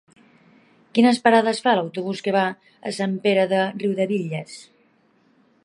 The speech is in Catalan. Quines parades fa l'autobús que va a Sant Pere de Riudebitlles?